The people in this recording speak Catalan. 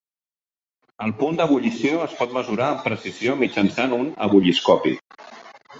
El punt d'ebullició es pot mesurar amb precisió mitjançant un ebullioscopi.